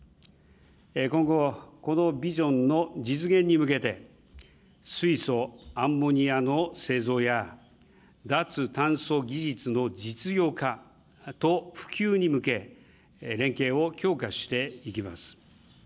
今後、このビジョンの実現に向けて、水素・アンモニアの製造や脱炭素技術の実用化と普及に向け、連携を強化していきます。